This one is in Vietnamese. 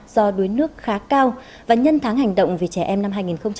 do đuối nước khá cao và nhân tháng hành động vì trẻ em năm hai nghìn một mươi sáu